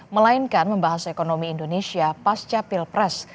melainkan membahas ekonomi indonesia pas capil pres